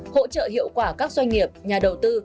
hỗ trợ hiệu quả các doanh nghiệp nhà đầu tư